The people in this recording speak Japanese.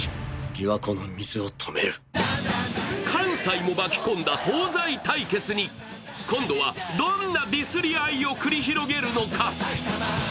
琵琶湖の水を止める関西も巻き込んだ東西対決に今度はどんなディスり合いを繰り広げるのか？